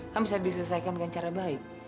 kan bisa diselesaikan dengan cara baik